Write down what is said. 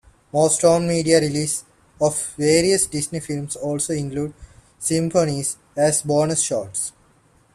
Most home media releases of various Disney films also include "Symphonies" as bonus shorts.